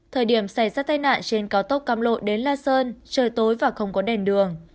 thời điểm xảy ra tai nạn trên cao tốc cam lộ đến la sơn trời tối và không có đèn đường